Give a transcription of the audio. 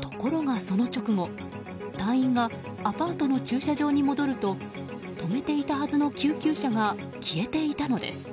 ところがその直後、隊員がアパートの駐車場に戻ると止めていたはずの救急車が消えていたのです。